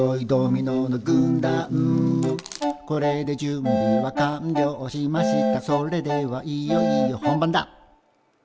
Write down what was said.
「これで準備は完了しましたそれではいよいよ本番だ」